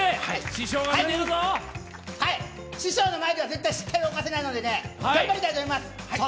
師匠の前では絶対失敗犯せないので、頑張りたいと思います！